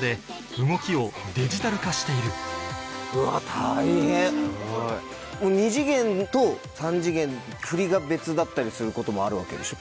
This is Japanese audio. で動きをデジタル化している２次元と３次元振りが別だったりすることもあるわけでしょ？